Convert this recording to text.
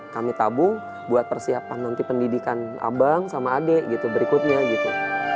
kami tabung buat persiapan nanti pendidikan abang sama adek gitu berikutnya gitu